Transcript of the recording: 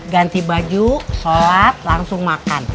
ganti baju sholat langsung makan